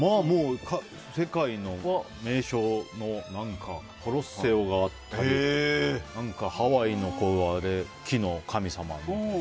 世界の名所のコロッセオがあったりハワイの木の神様みたいな。